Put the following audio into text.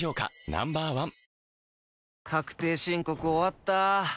Ｎｏ．１確定申告終わった。